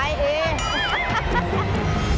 เย้หัวใจจะไหว